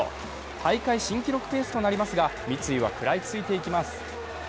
大会新記録ペースとなりますが三井は食らいついていきます。